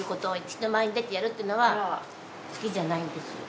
人前に出てやるっていうのは好きじゃないんです。